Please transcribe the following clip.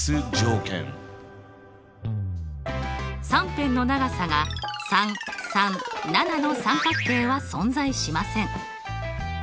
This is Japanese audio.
３辺の長さが３３７の三角形は存在しません。